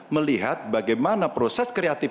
melihat bagaimana proses kreatif